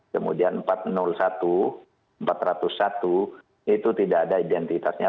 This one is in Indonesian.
kemudian empat ratus satu empat ratus satu itu tidak ada identitasnya